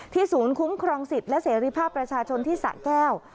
ศูนย์คุ้มครองสิทธิ์และเสรีภาพประชาชนที่สะแก้ว